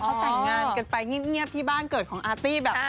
เขาแต่งงานกันไปเงียบที่บ้านเกิดของอาร์ตี้แบบ